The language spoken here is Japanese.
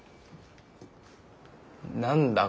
何だ？